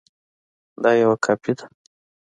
دا یوه کاپي ده